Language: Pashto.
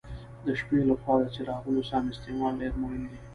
د شپې له خوا د څراغونو سم استعمال ډېر مهم دی.